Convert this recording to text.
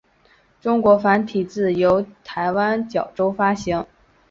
中文繁体版由台湾角川发行。